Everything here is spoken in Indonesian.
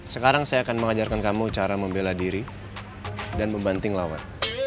sekarang saya akan mengajarkan kamu cara membela diri dan membanting lawan